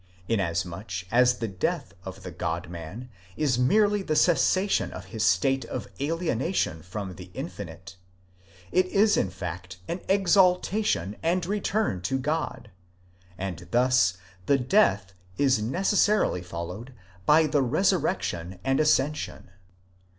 Inasmuch as the death of the God man is merely the cessation of his state of alienation from the infinite, it is in fact an exaltation and return to God, and thus the death is necessarily followed by the resurrection and ascension.